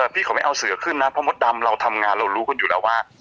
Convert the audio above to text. เพราะมดดำเราทำงานเรารู้ขึ้นอยู่แล้วว่า